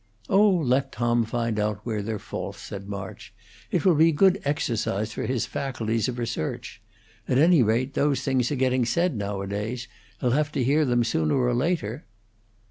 "Oh, let Tom find out where they're false," said March. "It will be good exercise for his faculties of research. At any rate, those things are getting said nowadays; he'll have to hear them sooner or later."